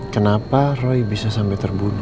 kenapa roy bisa sampai terbunuh